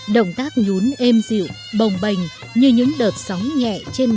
động tác nhún êm dịu bồng bềnh như những đợt sóng nhẹ